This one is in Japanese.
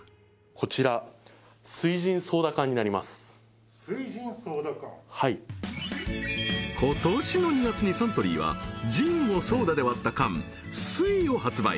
こちら翠ジンソーダ缶今年の２月にサントリーはジンをソーダで割った缶翠を発売